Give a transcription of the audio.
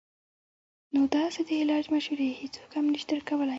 نو داسې د علاج مشورې هيڅوک هم نشي درکولے -